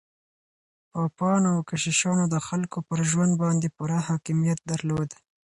پاپانو او کشيشانو د خلګو پر ژوند باندې پوره حاکميت درلود.